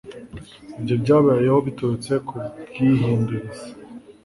ibyo byabayeho biturutse ku bwihindurize